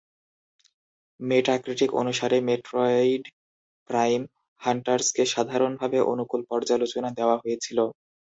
মেটাক্রিটিক অনুসারে, মেট্রোইড প্রাইম হান্টার্সকে "সাধারণভাবে অনুকূল" পর্যালোচনা দেওয়া হয়েছিল।